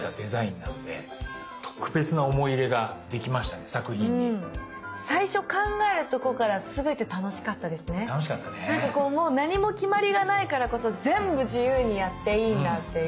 なんかこうもう何も決まりがないからこそ全部自由にやっていいんだっていう